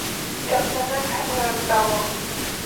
กลับมานั่งทำงานต่อ